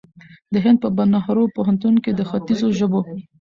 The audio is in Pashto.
د هند په نهرو پوهنتون کې د خیتځو ژبو